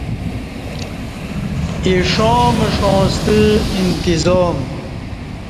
ایݜاں مݜاں ستہ انتظام